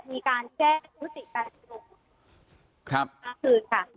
ก็มีการแจ้งธุรกิจการสุนม